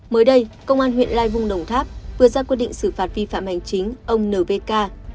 mới đây công an huyện lai vung đồng tháp vừa ra quyết định xử phạt vi phạm hành chính ông n v k